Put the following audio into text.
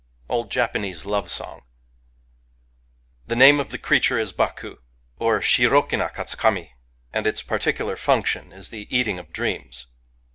"— Old Japanese Love song. THE name of the creature is Baku^ or Shirokinakatsukami ; and its particular function is the eating of Dreams.